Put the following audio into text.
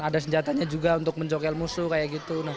ada senjatanya juga untuk mencokel musuh kayak gitu